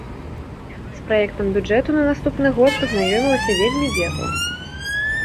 З праектам бюджэту на наступны год пазнаёмілася вельмі бегла.